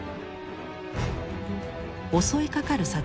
襲いかかる